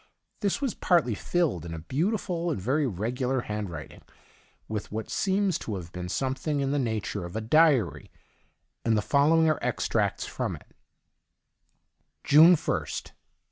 This was partly filled, in a beautiful and veiy regular handwriting, with what seems to have been something in the nature of a diary, and the fol lowing are extracts from it : June 1st.